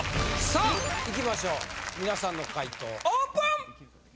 さあいきましょう皆さんの解答オープン！